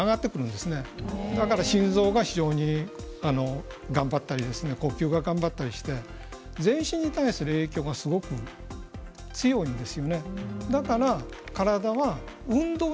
ですから心臓が非常に頑張ったり呼吸は頑張ったりして全身に対する影響が強いんです。